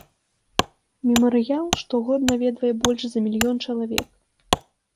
Мемарыял штогод наведвае больш за мільён чалавек.